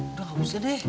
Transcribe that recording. udah gak usah deh